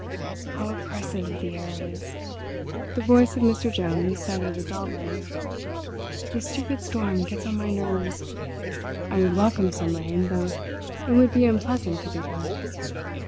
"How oppressive the air is!" the voice of Mr. Jones said at his elbow. "This stupid storm gets on my nerves. I would welcome some rain, though it would be unpleasant to get wet.